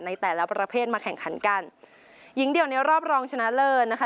ในแต่ละประเภทมาแข่งขันกันหญิงเดี่ยวในรอบรองชนะเลิศนะคะ